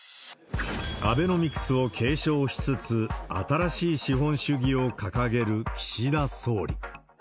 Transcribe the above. アベノミクスを継承しつつ、新しい資本主義を掲げる岸田総理。